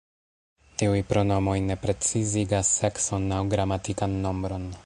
Tiuj pronomoj ne precizigas sekson aŭ gramatikan nombron.